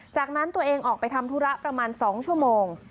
จากนั้นตัวเองออกไปทำธุระประมาณ๒ชั่วโมง